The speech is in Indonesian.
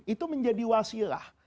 itu menjadi wasilah